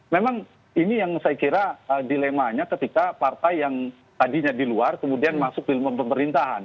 memang ini yang saya kira dilemanya ketika partai yang tadinya di luar kemudian masuk di luar pemerintahan